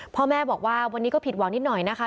พ่อแม่บอกว่าวันนี้ก็ผิดหวังนิดหน่อยนะคะ